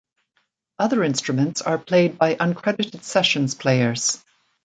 Other instruments are played by uncredited sessions players.